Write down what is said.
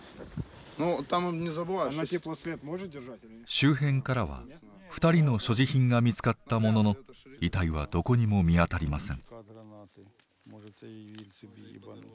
周辺からは２人の所持品が見つかったものの遺体はどこにも見当たりません。